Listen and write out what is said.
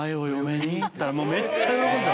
めっちゃ喜んで。